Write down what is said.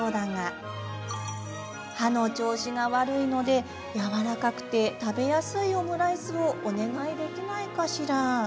「歯の調子が悪いのでやわらかくて食べやすいオムライスをお願いできないかしら？」。